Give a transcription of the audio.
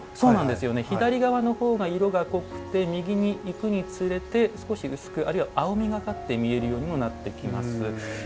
左側の方が色が濃くて右にいくにつれて少し薄く、あるいは青みがかって見えるようにもなってきます。